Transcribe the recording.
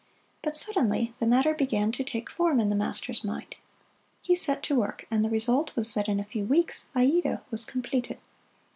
But suddenly the matter began to take form in the master's mind. He set to work, and the result was that in a few weeks "Aida" was completed.